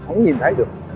không nhìn thấy được